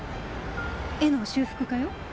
絵の修復家よ。